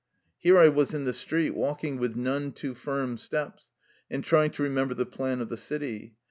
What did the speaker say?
Here I was in the street, walking with none too firm steps and trying to remember the plan of the city.